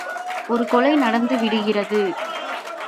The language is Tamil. ஒரு கொலை நடந்து விடுகிறது!